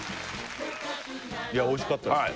いやおいしかったです